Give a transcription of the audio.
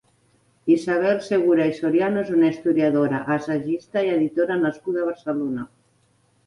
Isabel Segura i Soriano és una historiadora, assagista i editora nascuda a Barcelona.